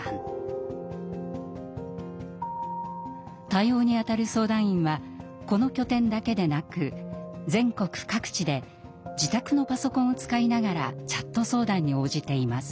対応にあたる相談員はこの拠点だけでなく全国各地で自宅のパソコンを使いながらチャット相談に応じています。